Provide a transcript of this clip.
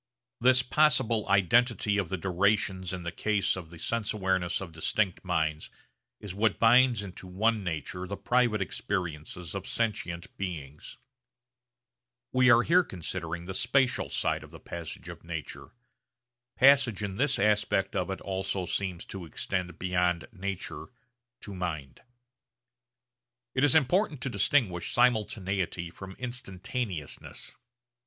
This possible identity of the durations in the case of the sense awareness of distinct minds is what binds into one nature the private experiences of sentient beings. We are here considering the spatial side of the passage of nature. Passage in this aspect of it also seems to extend beyond nature to mind. It is important to distinguish simultaneity from instantaneousness.